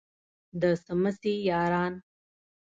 د څمڅې یاران.